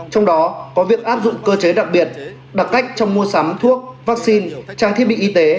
trong đó có việc áp dụng cơ chế đặc biệt đặc cách trong mua sắm thuốc vaccine trang thiết bị y tế